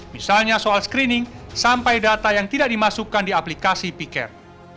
misalnya soal screening sampai data yang tidak dimasukkan di aplikasi p care